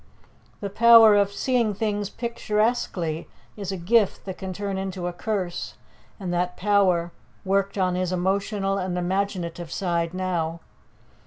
The power of seeing things picturesquely is a gift that can turn into a curse, and that power worked on his emotional and imaginative side now.